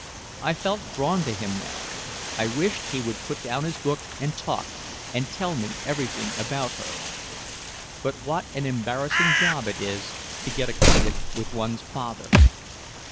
I felt drawn to him now, I wished he would put down his book and talk and tell me everything about her. But what an embarrassing job it is to get acquainted with one's father.